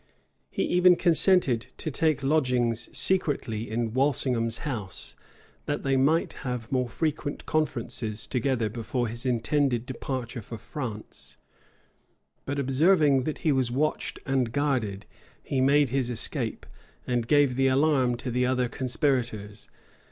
He even consented to take lodgings secretly in Walsingham's house, that they might have more frequent conferences together before his intended departure for France; but observing that he was watched and guarded, he made his escape, and gave the alarm to the other conspirators.